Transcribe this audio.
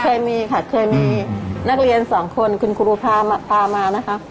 เคยมีค่ะเคยมีนักเรียนสองคนคุณครูพาพามานะคะ